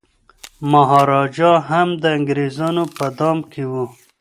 مهاراجا هم د انګریزانو په دام کي و.